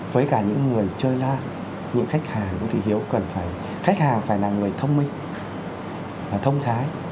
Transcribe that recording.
với cả những người chơi lan những khách hàng cũng phải hiểu khách hàng phải là người thông minh và thông thái